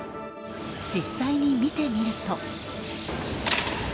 実際に見てみると。